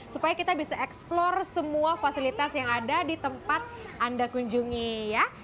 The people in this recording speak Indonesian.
supaya kita bisa eksplore semua fasilitas yang ada di tempat anda kunjungi ya